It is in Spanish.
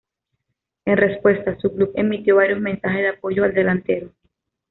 En respuesta, su club emitió varios mensajes de apoyo al delantero.